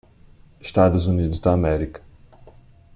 Estados Unidos da Ámerica.